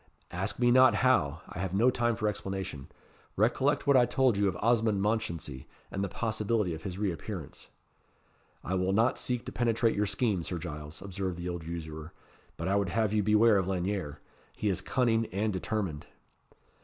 "Ask me not how I have no time for explanation. Recollect what I told you of Osmond Mounchensey, and the possibility of his re appearance." "I will not seek to penetrate your scheme, Sir Giles," observed the old usurer; "but I would have you beware of Lanyere. He is cunning and determined."